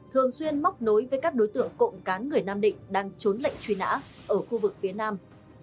thường xuyên móc nối với các đối tượng cộng cán người nam định đang trốn lệnh truy nã ở khu vực phía nam